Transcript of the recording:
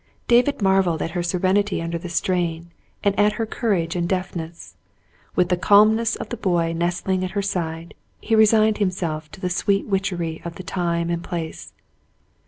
David marvelled at her serenity under the strain, and at her courage and deftness. With the calmness of the boy nestling at her side, he resigned him self to the sweet witchery of the time and place.